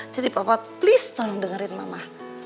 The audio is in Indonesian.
jadi papa please tolong dengerin mama